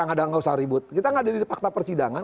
nggak usah ribut kita nggak ada di fakta persidangan